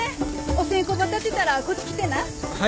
お線香ば立てたらこっち来てな。